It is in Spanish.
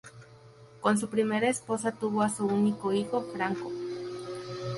Con su primera esposa tuvo a su único hijo, Franco.